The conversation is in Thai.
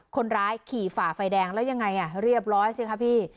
คนร้ายขี่ฝ่าไฟแดงแล้วยังไงเรียบร้อยสิคะพี่